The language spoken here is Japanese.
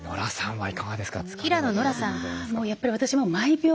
はい。